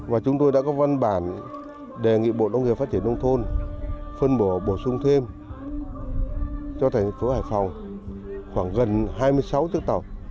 và chúng tôi đã có văn bản đề nghị bộ nông nghiệp phát triển nông thôn phân bổ bổ sung thêm cho thành phố hải phòng khoảng gần hai mươi sáu tiếp tàu